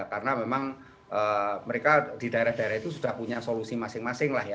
karena memang mereka di daerah daerah itu sudah punya solusi masing masing lah ya